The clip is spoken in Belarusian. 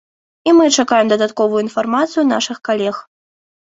І мы чакаем дадатковую інфармацыю нашых калег.